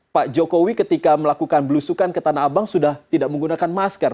pak jokowi ketika melakukan belusukan ke tanah abang sudah tidak menggunakan masker